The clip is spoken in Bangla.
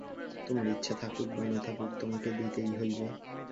তোমার ইচ্ছা থাকুক বা না থাকুক, তোমাকে দিতেই হইবে।